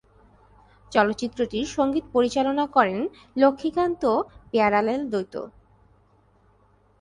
চলচ্চিত্রটির সংগীত পরিচালনা করেন লক্ষ্মীকান্ত-পেয়ারেলাল দ্বৈত।